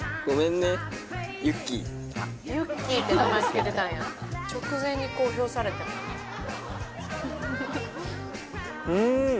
ユッキーって名前付けてたんや直前に公表されてもうん！